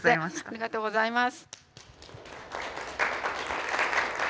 ありがとうございます。